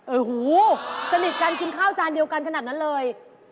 โอ้โหสนิทกันกินข้าวจานเดียวกันขนาดนั้นเลย